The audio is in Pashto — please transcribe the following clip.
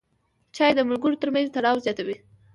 چای د ملګرو ترمنځ تړاو زیاتوي.